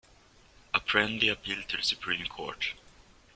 Apprendi appealed to the Supreme Court.